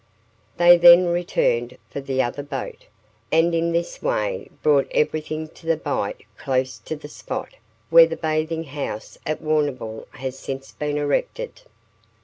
They then returned for the other boat, and in this way brought everything to the bight close to the spot where the bathing house at Warrnambool has since been erected.